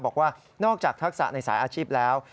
บอกว่านอกจากทักษะในสายอาชีพแล้ว